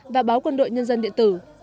và báo quân đội nhân dân điện tử